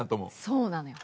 そうなのよ。